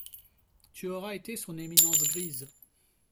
Tu aurais été son éminence grise.